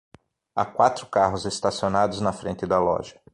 Há quatro carros estacionados na frente da loja.